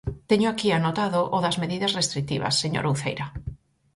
Teño aquí anotado o das medidas restritivas, señora Uceira.